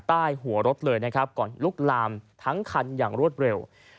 ใต้หัวรถเลยนะครับก่อนลุกลามทั้งคันอย่างรวดเร็ว